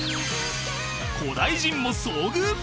古代人も遭遇！？